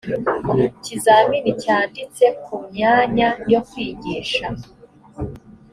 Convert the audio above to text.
kizamini cyanditse ku myanya yo kwigisha